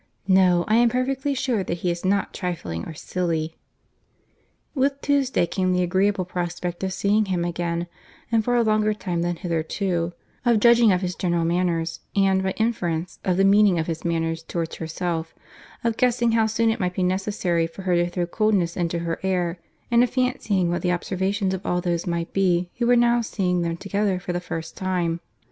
—No, I am perfectly sure that he is not trifling or silly." With Tuesday came the agreeable prospect of seeing him again, and for a longer time than hitherto; of judging of his general manners, and by inference, of the meaning of his manners towards herself; of guessing how soon it might be necessary for her to throw coldness into her air; and of fancying what the observations of all those might be, who were now seeing them together for the first time.